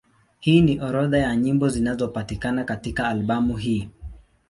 Hii ni orodha ya nyimbo zinazopatikana katika albamu hii.